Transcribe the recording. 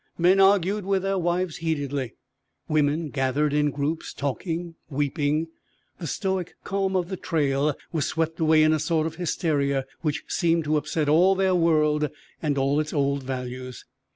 Men argued with their wives heatedly; women gathered in groups, talking, weeping. The stoic calm of the trail was swept away in a sort of hysteria which seemed to upset all their world and all its old values.